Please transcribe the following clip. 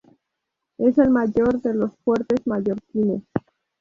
Es el mayor de los fuertes mallorquines.